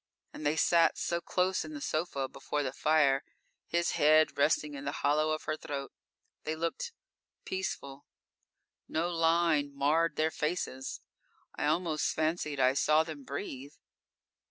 And they sat so close in the sofa before the fire, his head resting in the hollow of her throat. They looked peaceful; no line marred their faces. I almost fancied I saw them breathe.